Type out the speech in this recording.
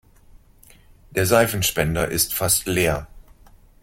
Der Seifenspender ist fast leer.